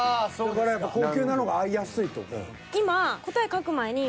だからやっぱ「高級な」のが合いやすいと思う。